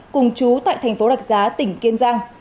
cùng chú tại tp đạch giá tỉnh kiên giang